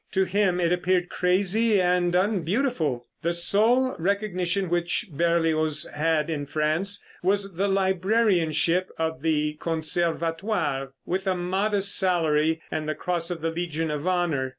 To him it appeared crazy and unbeautiful. The sole recognition which Berlioz had in France was the librarianship of the Conservatoire, with a modest salary, and the Cross of the Legion of Honor.